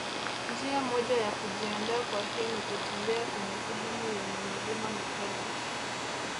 Njia moja ya kujiandaa kwa hii nikutembea kwenye sehemu yenye milima mikali